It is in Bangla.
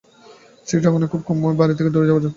সি ড্রাগনেরা খুব কমই বাড়ি থেকে দূরে যাওয়ার ঝুঁকি নেয়।